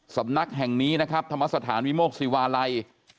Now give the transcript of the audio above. สำนักแห่งนี้นะครับธรรมสถานวิโมกศิวาลัย